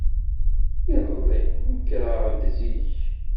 Iḍelli, nekreɣ-d zik.